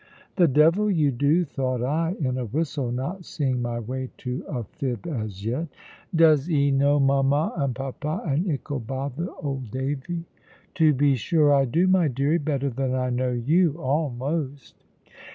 "The devil you do!" thought I, in a whistle, not seeing my way to a fib as yet. "Does 'ee know mama and papa, and ickle bother, old Davy?" "To be sure I do, my deary better than I know you, almost."